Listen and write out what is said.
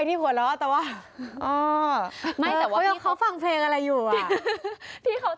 เด้งแบบนี้